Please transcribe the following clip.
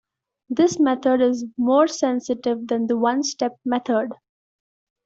This method is more sensitive than the one-step method.